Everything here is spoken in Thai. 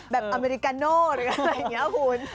แบบอเมริกาโน่หรืออะไรแบบนี้คุณ